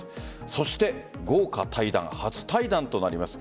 そして豪華対談初対談となります。